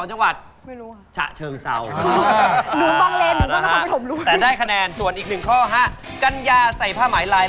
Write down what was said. รวมทั้งหมดเกมบาทาเปิดแผ่นครับ